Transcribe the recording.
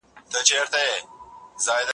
سم نیت ستړیا نه راوړي.